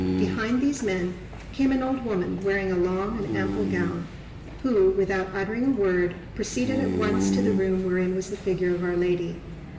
Behind these men came an old woman wearing a long and ample gown, who, without uttering a word, proceeded at once to the room wherein was the figure of Our Lady.